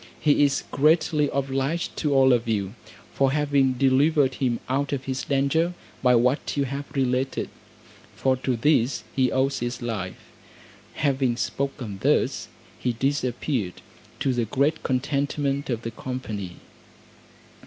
He is greatly obliged to all of you, for having delivered him out of his danger by what you have related, for to this he owes his life." Having spoken thus he disappeared, to the great contentment of the company.